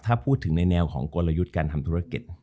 ถ้าพูดถึงในแนวของกลยุทธ์การทำธุรกิจ